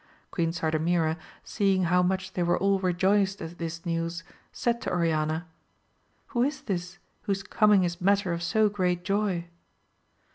Queen Sardamira seeing how much they were all rejoiced at this news, said to Oriana, Who is this whose coming is matter of so great joy ?